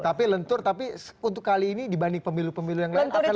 tapi lentur tapi untuk kali ini dibanding pemilu pemilu yang lain akan terjadi